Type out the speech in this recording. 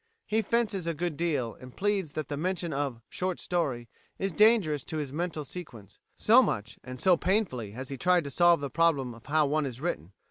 He fences a good deal, and pleads that the mention of "short story" is dangerous to his mental sequence, so much and so painfully has he tried to solve the problem of how one is written.